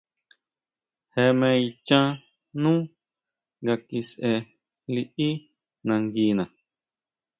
Je me ichán nú nga kisʼe liʼí nanguina.